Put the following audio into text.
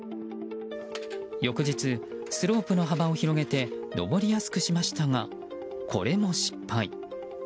翌日、スロープの幅を広げて上りやすくしましたがこれも失敗。